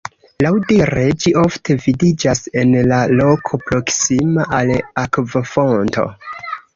Laŭdire ĝi ofte vidiĝas en la loko proksima al akvofonto.